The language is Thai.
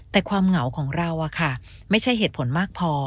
แต่ความเหงาของเราไม่ใช่เหตุผลมากพอ